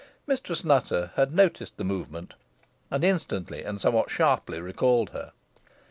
Mistress Nutter had noticed the movement, and instantly and somewhat sharply recalled her.